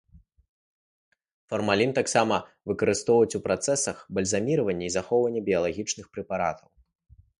Фармалін таксама выкарыстоўваюць ў працэсах бальзаміравання і захоўвання біялагічных прэпаратаў.